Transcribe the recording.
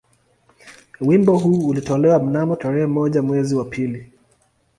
Wimbo huu ulitolewa mnamo tarehe moja mwezi wa pili